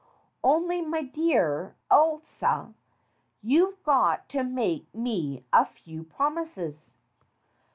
Only, my dear Elsa, you've got to make me a few promises."